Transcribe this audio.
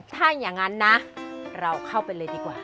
ถ้าอย่างนั้นนะเราเข้าไปเลยดีกว่า